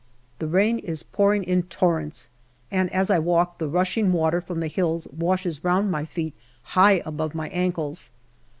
The rain is pouring in torrents, and as I walk the rushing water from the hills washes round my feet high above my ankles.